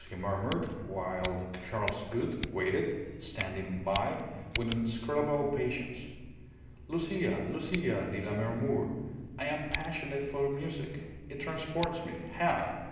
he murmured; while Charles Gould waited, standing by with inscrutable patience. "Lucia, Lucia di Lammermoor! I am passionate for music. It transports me. Ha!